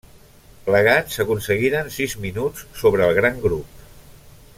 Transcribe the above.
Plegats aconseguiren sis minuts sobre el gran grup.